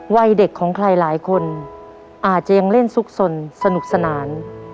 วัยเด็กของใครหลายคนอาจจะยังเล่นซุกสนสนุกสนาน